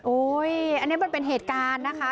อันนี้มันเป็นเหตุการณ์นะคะ